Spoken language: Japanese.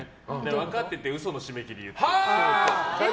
分かってて嘘の締め切り言って。